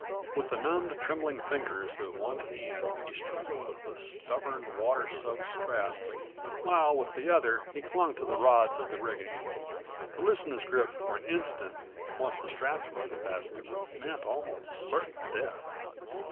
With the numbed, trembling fingers of one hand he struggled with the stubborn, water soaked straps while with the other he clung to the rods of the rigging. To loosen his grip for an instant, once the straps were unfastened, meant almost certain death.